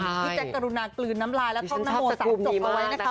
พี่เจ๊กรุณากลืนน้ำลายและต้มน้ำโหสัตว์จบเอาไว้นะครับ